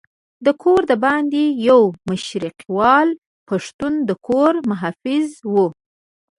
د کور دباندې یو مشرقیوال پښتون د کور محافظ وو.